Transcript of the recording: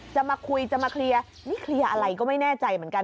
จะมาคุยจะมาเคลียร์นี่เคลียร์อะไรก็ไม่แน่ใจเหมือนกัน